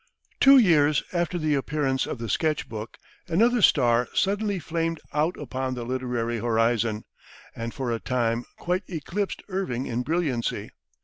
Two years after the appearance of the "Sketch Book," another star suddenly flamed out upon the literary horizon, and for a time quite eclipsed Irving in brilliancy.